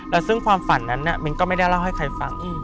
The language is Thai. แล้วซึ่งความฝันนั้นมิ้นก็ไม่ได้เล่าให้ใครฟัง